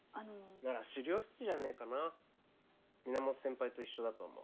なら資料室じゃねえかな源先輩と一緒だと思う。